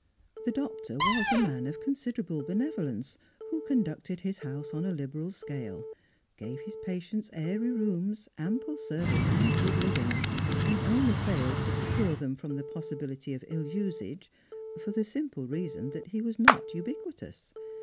^ The doctor was a man of considerable benevolence, who con ducted his house on a liberal scale, gave his patients airy rooms, ample service, and good living ; and only failed to secure them from the possibility of ill usage for the simple reason that h© was not ubiquitous.